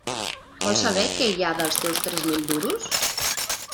Vols saber què hi ha dels teus tres mil duros?